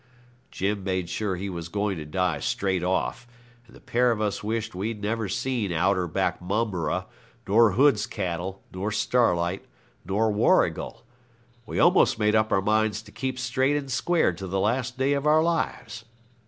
Jim made sure he was going to die straight off, and the pair of us wished we'd never seen Outer Back Momberah, nor Hood's cattle, nor Starlight, nor Warrigal. We almost made up our minds to keep straight and square to the last day of our lives.